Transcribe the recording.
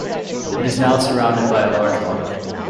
It is now surrounded by a large park.